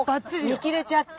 見切れちゃって。